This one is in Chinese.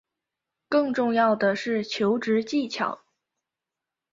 更重要的是求职技巧